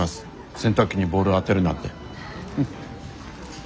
洗濯機にボール当てるなって。